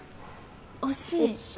惜しい？